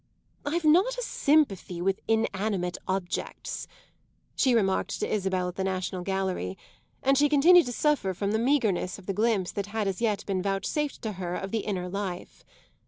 "I've not a sympathy with inanimate objects," she remarked to Isabel at the National Gallery; and she continued to suffer from the meagreness of the glimpse that had as yet been vouchsafed to her of the inner life.